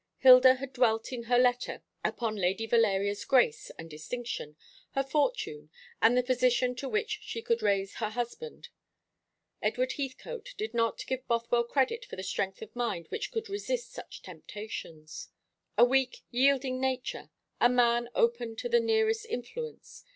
Hilda had dwelt in her letter upon Lady Valeria's grace and distinction, her fortune, and the position to which she could raise her husband. Edward Heathcote did not give Bothwell credit for the strength of mind which could resist such temptations. A weak, yielding nature, a man open to the nearest influence.